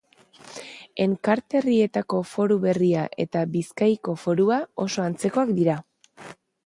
Enkarterrietako Foru Berria eta Bizkaiko Forua oso antzekoak dira.